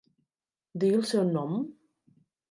Digui'l el seu nom?